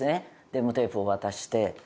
デモテープを渡して。